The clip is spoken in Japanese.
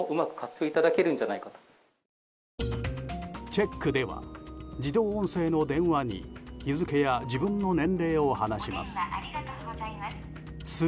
チェックでは自動音声の電話に日付や自分の年齢を話します。